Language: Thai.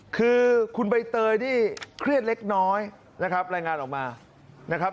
คือคุณใบเตยนี่เครียดเล็กน้อยนะครับรายงานออกมานะครับ